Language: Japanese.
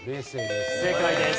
正解です。